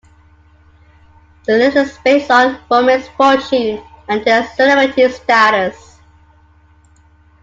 The list is based on women's fortune and their celebrity status.